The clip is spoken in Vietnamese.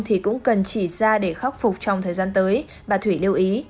thì cũng cần chỉ ra để khắc phục trong thời gian tới bà thủy lưu ý